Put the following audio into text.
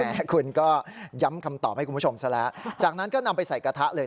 คุณก็ย้ำคำตอบให้คุณผู้ชมซะแล้วจากนั้นก็นำไปใส่กระทะเลย